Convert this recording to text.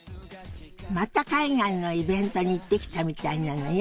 また海外のイベントに行ってきたみたいなのよ。